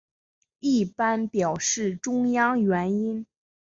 一般表示中央元音。